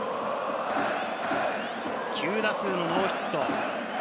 ９打数ノーヒット。